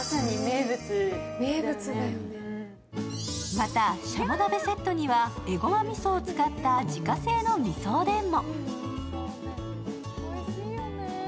また、しゃも鍋セットにはえごまみそを使った自家製のみそおでんも。